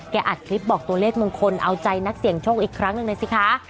อัดคลิปบอกตัวเลขมงคลเอาใจนักเสี่ยงโชคอีกครั้งหนึ่งเลยสิคะ